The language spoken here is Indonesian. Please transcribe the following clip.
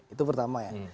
itu pertama ya